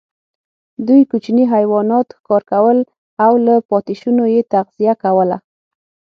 دوی کوچني حیوانات ښکار کول او له پاتېشونو یې تغذیه کوله.